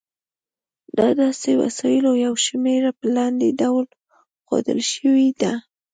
د داسې وسایلو یوه شمېره په لاندې ډول ښودل شوې ده.